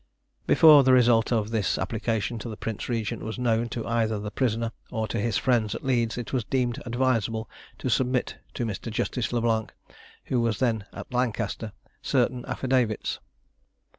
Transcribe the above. Before the result of this application to the Prince Regent was known to either the prisoner or to his friends at Leeds, it was deemed advisable to submit to Mr. Justice Le Blanc, who was then at Lancaster, certain affidavits.